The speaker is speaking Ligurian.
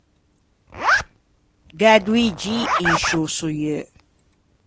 Gh’é doî gî in sciô soieu.